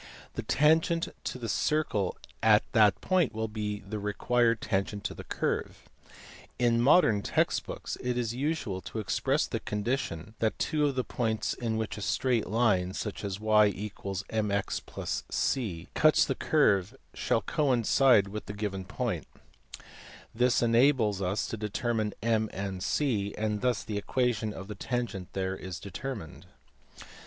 The tangent to the circle at that point will be the required tangent to the curve. In modern text books it is usual to express the condition that two of the points in which a straight line (such as y = mx + c) cuts the curve shall coincide with the given point : this enables us to determine m and c, and thus the equation of the tangent there is determined.